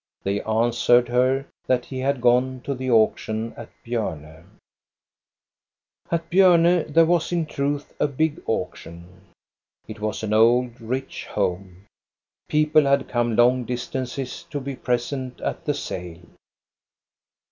They answered her that he had gone to the auction at Bjorne. At Bjorne there was in truth a big auction. It was an old, rich home. People had come long distances to be present at the sale.